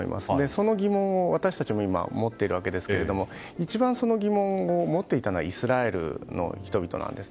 その疑問を私たちも今、持っているわけですけれども一番その疑問を持っていたのはイスラエルの人々なんです。